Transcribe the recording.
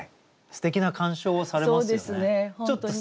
すてきな鑑賞をされますよね。